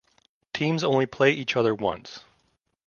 Teams only play each other once.